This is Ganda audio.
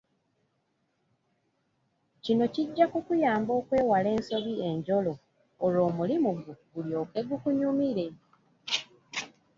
Kino kijja kukuyamba okwewala ensobi enjolo olwo omulimu gwo gulyoke gukunyumire.